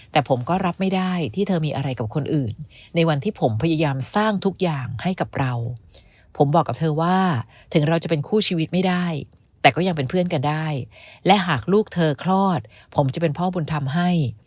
แต่ผมก็รับไม่ได้ที่เธอมีอะไรกับคนอื่นในวันที่ผมพยายามสร้างทุกอย่างให้กับเราผมบอกกับเธอว่าถึงเราจะเป็นคู่ชีวิตไม่ได้แต่ก็ยังเป็นเพื่อนกันได้และหากลูกเธอคลอดผมจะเป็นพ่อบุญธรรมให้